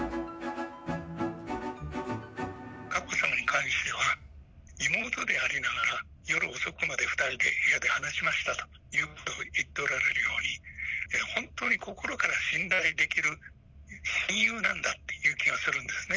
佳子さまに関しては妹でありながら、夜遅くまで２人で部屋で話しましたということを言っておられるように、本当に心から信頼できる親友なんだっていう気がするんですね。